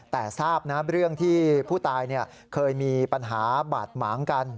แต่ทราบนะเรื่องที่ผู้ตายเคยมีปัญหาบาดหมางกัน